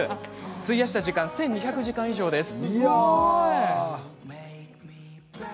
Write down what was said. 費やした時間は１２００時間以上です。